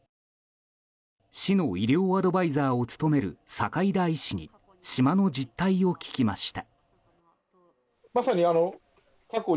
市の医療アドバイザーを務める境田医師に島の実態を聞きました。